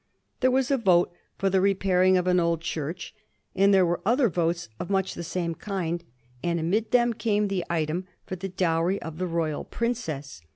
There was a vote for the repairing of an old church, and there 44 A HISTORT OF THE FOUR GEORGES. ch.xzul were other votes of much the same kind; and amid them came the item for the dowry of the Royal Princess.